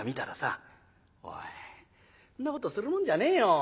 「おいそんなことするもんじゃねえよ。